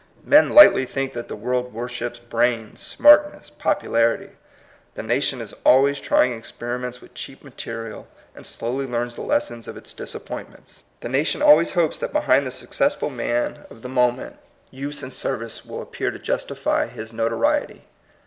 Men lightly think that the world worships bmins, smartness, populaiity. The nation is always trying experiments with cheap material, and slowly learns the lessons of its dis appointments. The nation always hopes that behind the successful man of the mo 56 THE COMING PEOPLE. ment, use and service will appear to justify his notoriety.